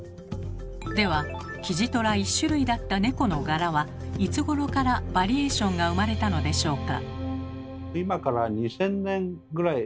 ではキジトラ１種類だった猫の柄はいつごろからバリエーションが生まれたのでしょうか。